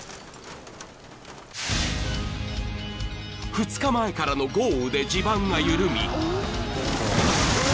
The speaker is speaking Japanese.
［２日前からの豪雨で地盤が緩み］